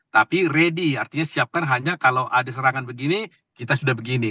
tapi ready artinya siapkan hanya kalau ada serangan begini kita sudah begini